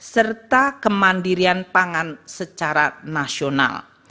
serta kemandirian pangan secara nasional